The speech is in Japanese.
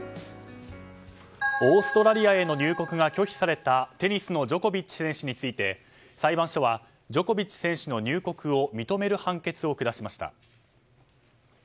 オーストラリアへの入国が拒否されたテニスのジョコビッチ選手について裁判所は、ジョコビッチ選手の入国を認める判決を下しました。